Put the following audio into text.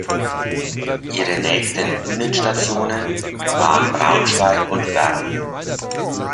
Ihre nächsten Bühnenstationen waren Braunschweig und Bern.